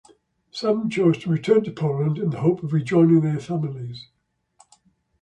Some chose to return to Poland in the hope of rejoining their families.